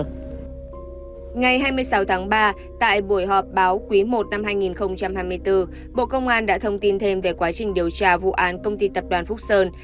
ngày hai mươi sáu tháng ba tại buổi họp báo quý i năm hai nghìn hai mươi bốn bộ công an đã thông tin thêm về quá trình điều tra vụ án công ty tập đoàn phúc sơn